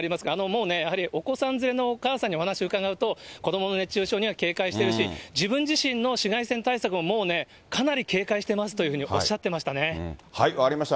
もうね、やはりお子さん連れのお母さんにお話を伺うと子どもの熱中症には警戒してるし、自分自身の紫外線対策ももうかなり警戒してますというふうにおっ分かりました。